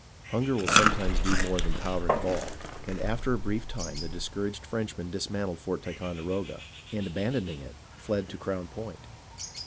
Hunger will some times do more than powder and ball ; and after a brief time the discouraged Frenchmen dismantled Fort Ticon deroga, and abandoning it fled to Crown Point.